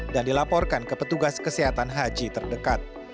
dan dilaporkan ke petugas kesehatan haji terdekat